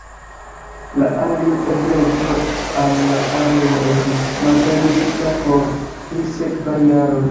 La alir-ebleco al la areo estis malpermesita por tri sekvaj jaroj.